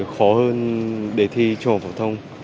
khó hơn đề thi trung học phổ thông